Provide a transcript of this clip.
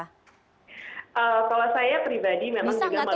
kalau saya pribadi memang juga melihat